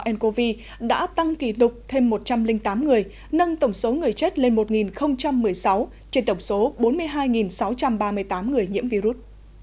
ncov đã tăng kỳ tục thêm một trăm linh tám người nâng tổng số người chết lên một một mươi sáu trên tổng số bốn mươi hai sáu trăm ba mươi tám người nhiễm virus